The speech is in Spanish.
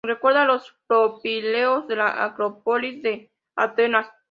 Recuerda a los propileos de la Acrópolis de Atenas.